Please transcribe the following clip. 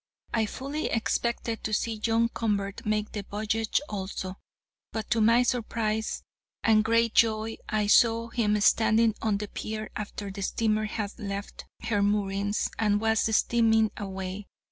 I fully expected to see John Convert make the voyage also, but to my surprise and great joy I saw him standing on the pier after the steamer had left her moorings and was steaming away.